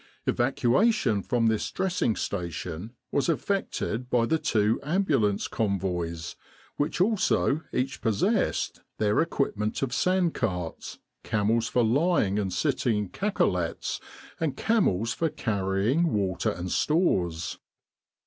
Evacuation from this Dressing Station was effected by the two Ambulance Convoys, which also each possessed their equipment of sand carts, camels for lying and sitting cacolets, and camels for carrying water and stores.